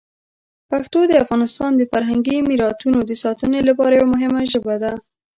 پښتو د افغانستان د فرهنګي میراتونو د ساتنې لپاره یوه مهمه ژبه ده.